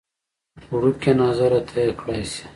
وړکیه ناظره ته یې کړی شې.